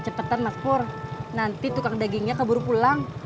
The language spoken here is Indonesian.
cepetan mak pur nanti tukang dagingnya keburu pulang